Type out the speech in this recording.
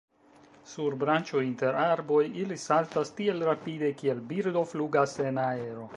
Sur branĉoj inter arboj ili saltas tiel rapide kiel birdo flugas en aero.